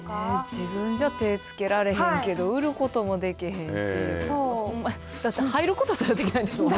自分じゃ手つけられへんけど売ることもできへんし入ることすらできないんですもんね。